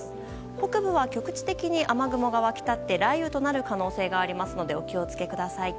北部は局地的に雨雲が湧き立って雷雨となる可能性がありますのでお気を付けください。